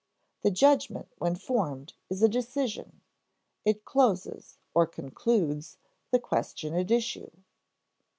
The judgment when formed is a decision; it closes (or concludes) the question at issue.